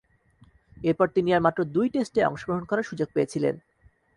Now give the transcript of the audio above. এরপর তিনি আর মাত্র দুই টেস্টে অংশগ্রহণ করার সুযোগ পেয়েছিলেন।